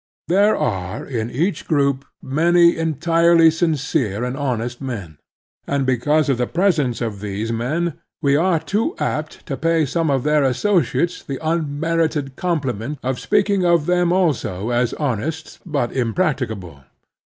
There are in each group many entirely sincere and honest men, and because of the presence of these men we are too apt to pay some of their associates the immerited compliment of speaking of them also as honest but impracticable.